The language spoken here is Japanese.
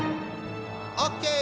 オッケー！